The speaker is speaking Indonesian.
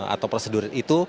atau prosedur itu